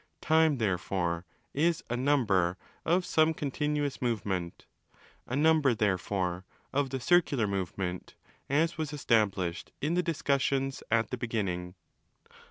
Time, therefore, is a 'number'? of some continuous movement—a ' number', therefore, of the circular movement, as was established in the discussions at the beginning.